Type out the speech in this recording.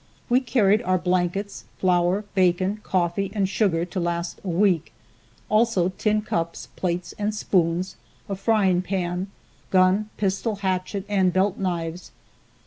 We carried our blankets, flour, bacon, coffee and sugar to last a week, also tin cups, plates and spoons, a frying pan, gun, pistol, hatchet and belt knives.